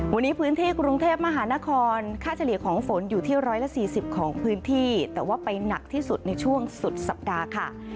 วันนี้พื้นที่กรุงเทพมหานครค่าเฉลี่ยของฝนอยู่ที่๑๔๐ของพื้นที่แต่ว่าไปหนักที่สุดในช่วงสุดสัปดาห์ค่ะ